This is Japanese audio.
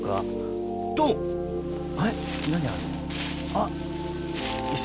あっ！